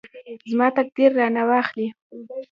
زما تقدیر رانه واخلي.